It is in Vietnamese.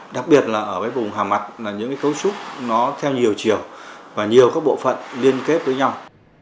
đặc biệt là ở vùng hà mặt là những cái cấu trúc nó theo nhiều chiều và nhiều các bộ phận liên kết với nhau